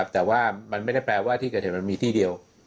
แต่ว่ามันไม่ได้แปลว่าที่เกิดเหตุมันมีที่เดียว